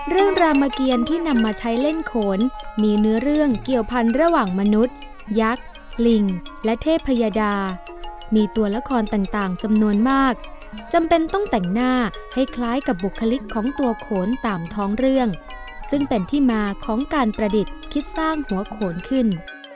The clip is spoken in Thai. รามเกียรที่นำมาใช้เล่นโขนมีเนื้อเรื่องเกี่ยวพันธุ์ระหว่างมนุษย์ยักษ์ลิงและเทพยดามีตัวละครต่างจำนวนมากจำเป็นต้องแต่งหน้าให้คล้ายกับบุคลิกของตัวโขนตามท้องเรื่องซึ่งเป็นที่มาของการประดิษฐ์คิดสร้างหัวโขนขึ้น